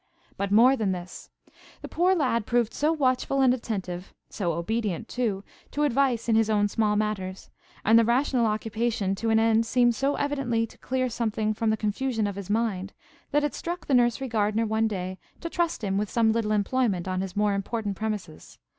But more than this. The poor lad proved so watchful and attentive; so obedient, too, to advice in his own small matters; and the rational occupation to an end seemed so evidently to clear something from the confusion of his mind, that it struck the nursery gardener one day to trust him with some little employment on his more important premises.